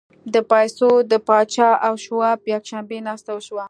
د پیسو د پاچا او شواب یکشنبې ناسته وشوه